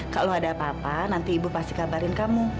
kalau ada apa apa nanti ibu pasti kabarin kamu